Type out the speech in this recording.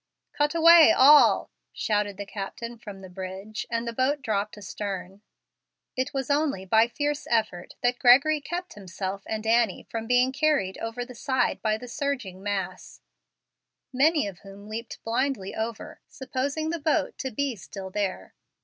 "Cut away all," shouted the captain from the bridge, and the boat dropped astern. It was only by fierce effort that Gregory kept himself and Annie from being carried over the side by the surging mass, many of whom leaped blindly over, supposing the boat to be still there.